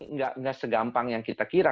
nggak segampang yang kita kira